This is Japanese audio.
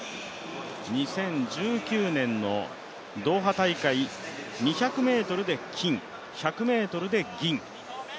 ２０１９年のドーハ大会２００ｍで金、１００ｍで銀。